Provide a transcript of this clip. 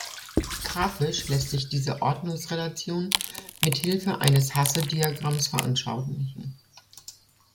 Grafisch lässt sich diese Ordnungsrelation mit Hilfe eines Hasse-Diagramms veranschaulichen.